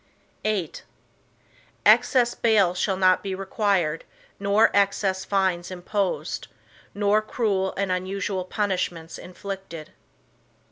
VIII Excessive bail shall not be required nor excessive fines imposed, nor cruel and unusual punishments inflicted.